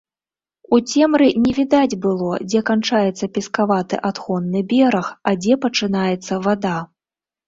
У цемры не відаць было, дзе канчаецца пескаваты адхонны бераг, а дзе пачынаецца вада.